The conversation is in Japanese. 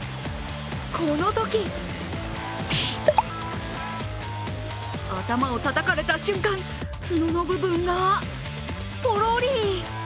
このとき頭をたたかれた瞬間、つのの部分がポロリ。